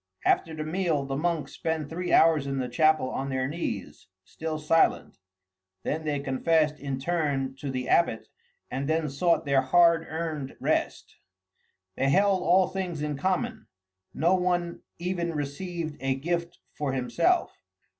After the meal the monks spent three hours in the chapel, on their knees, still silent; then they confessed in turn to the abbot and then sought their hard earned rest. They held all things in common; no one even received a gift for himself.